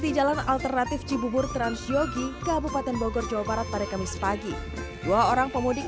di jalan alternatif cibubur transyogi kabupaten bogor jawa barat pada kamis pagi dua orang pemudik